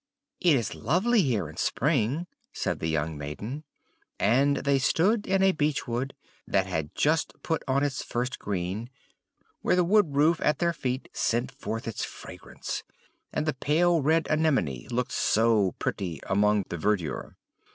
"It is lovely here in spring!" said the young maiden. And they stood in a beech wood that had just put on its first green, where the woodroof [*] at their feet sent forth its fragrance, and the pale red anemony looked so pretty among the verdure.